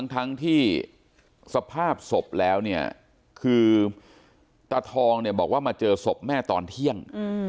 ทั้งที่สภาพศพแล้วเนี่ยคือตาทองเนี่ยบอกว่ามาเจอศพแม่ตอนเที่ยง